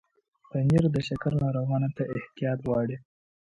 پنېر د شکر ناروغانو ته احتیاط غواړي.